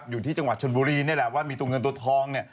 อยู่ที่จังหวัดชนบุรีนี่แหละว่ามีตัวเงินตัวทองเนี่ย